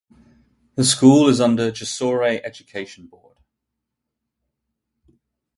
The school is under Jessore Education Board.